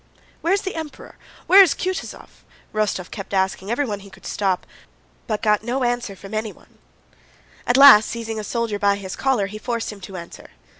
"Where is the Emperor? Where is Kutúzov?" Rostóv kept asking everyone he could stop, but got no answer from anyone. At last seizing a soldier by his collar he forced him to answer.